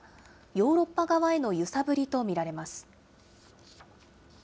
ヨーロッパ側への揺さぶりと見られます。